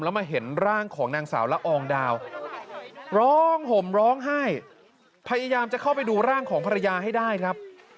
แล้วมาเห็นร่างของนางสาวละอองดาวร้องห่มร้องไห้พยายามจะเข้าไปดูร่างของภรรยาให้ได้ครับ